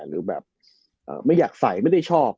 หรือแบบไม่อยากใส่ไม่ได้ชอบ